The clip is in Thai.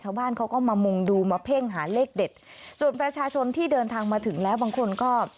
ชาวบ้านเขาก็มามุงดูมาเพ่งหาเลขเด็ดส่วนประชาชนที่เดินทางมาถึงแล้วบางคนก็